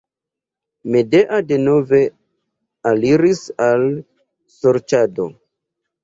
Medea denove aliris al sorĉado.